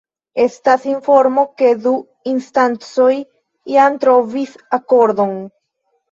Estas informo, ke la du instancoj jam trovis akordon.